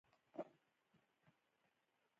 د پستې ځنګلونه ملي عاید زیاتوي.